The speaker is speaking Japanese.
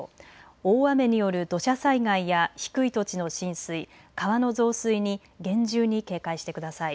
大雨による土砂災害や低い土地の浸水、川の増水に厳重に警戒してください。